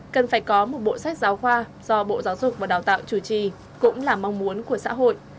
cần phải có một bộ sách giáo khoa do bộ giáo dục và đào tạo chủ trì cũng là mong muốn của xã hội